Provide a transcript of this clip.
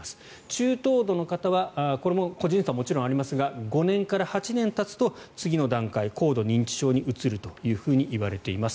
中等度の方はこれももちろん個人差ありますが５年から８年たつと、次の段階高度認知症に移ると言われています。